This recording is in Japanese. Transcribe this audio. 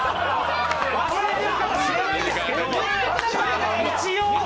忘れてるかもしれないですけど、一応。